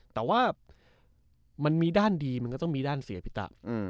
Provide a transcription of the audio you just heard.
แต่ว่ามันมีด้านดีมันก็ต้องมีด้านเสียพี่ตะ